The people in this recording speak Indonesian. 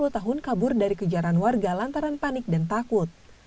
sepuluh tahun kabur dari kejaran warga lantaran panik dan takut